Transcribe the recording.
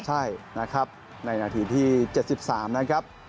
ใช่นะครับในนาทีที่๗๓นะครับ